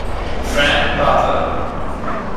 Frank Butler